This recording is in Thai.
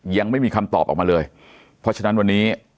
ยังไม่มีคำตอบออกมาเลยเพราะฉะนั้นวันนี้